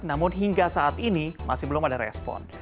namun hingga saat ini masih belum ada respon